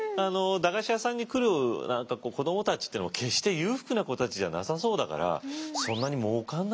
駄菓子屋さんに来る子どもたちっていうのも決して裕福な子たちじゃなさそうだからまあね